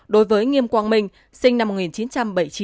đối với nghiêm quang minh sinh năm một nghìn chín trăm bảy mươi chín